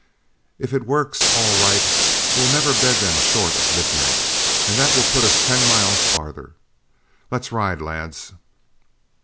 If it works all right, we'll never bed them short of midnight, and that will put us ten miles farther. Let's ride, lads."